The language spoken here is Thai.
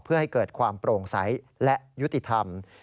เพื่อให้เกิดความโปร่งใสและยุติธรรม